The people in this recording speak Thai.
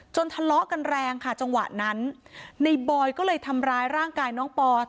ทะเลาะกันแรงค่ะจังหวะนั้นในบอยก็เลยทำร้ายร่างกายน้องปอ